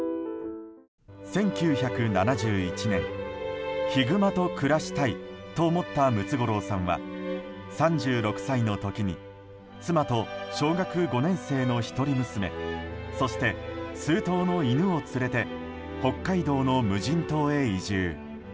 １９７１年ヒグマと暮らしたいと思ったムツゴロウさんは３６歳の時に妻と小学５年生の一人娘そして数頭の犬を連れて北海道の無人島へ移住。